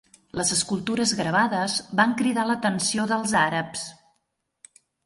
Les escultures gravades van cridar l'atenció dels àrabs.